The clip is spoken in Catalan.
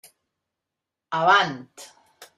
Avant!